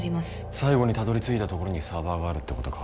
最後にたどりついたところにサーバーがあるってことか？